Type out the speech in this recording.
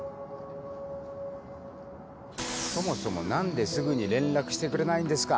そもそも何ですぐに連絡してくれないんですか？